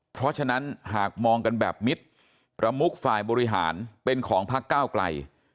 เพราะฉะนั้นหากมองกันแบบมิดประมุกฝ่ายบริหารเป็นของพักก้าวไกล